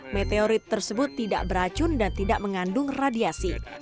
meteorit tersebut tidak beracun dan tidak mengandung radiasi